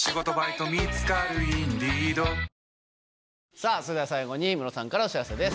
さぁそれでは最後にムロさんからお知らせです。